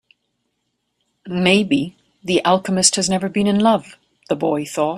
Maybe the alchemist has never been in love, the boy thought.